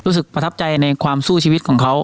ประทับใจในความสู้ชีวิตของเขา